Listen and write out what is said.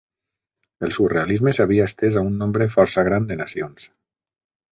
El surrealisme s'havia estès a un nombre força gran de nacions.